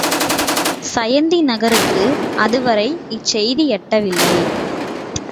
சயந்தி நகருக்கு அதுவரை இச் செய்தி எட்டவில்லை.